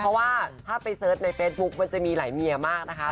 เพราะว่าถ้าไปเสิร์ชในเฟซบุ๊คมันจะมีหลายเมียมากนะคะ